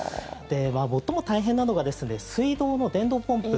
最も大変なのが水道の電動ポンプ。